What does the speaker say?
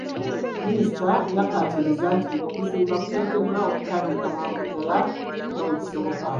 Minisita yakkaatiriza nti okuzimba kuteekeddwa okutandika mangu ddaala nga bwe kisoboka.